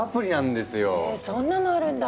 ヘそんなのあるんだ！